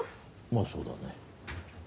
まあそうだね。